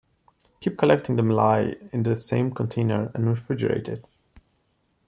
Keep collecting the malai in the same container and refrigerate it.